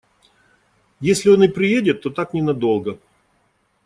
Если он и приедет, то так ненадолго.